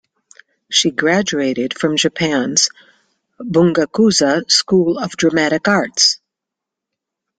She graduated from Japan's Bungakuza School of Dramatic Arts.